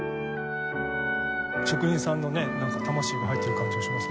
職人さんのねなんか魂が入っている感じがしますね。